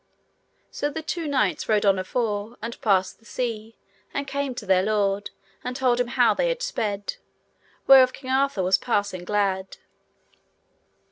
So the two knights rode on afore, and passed the sea, and came to their lord, and told him how they had sped, whereof King Arthur was passing glad.